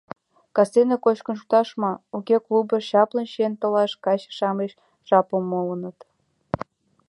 Кастене кочкын шуктышт ма, уке — клубыш чаплын чиен толаш каче-шамыч жапым муыныт.